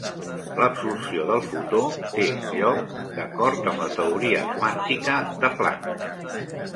L'absorció del fotó te lloca d'acord amb la teoria quàntica de Planck.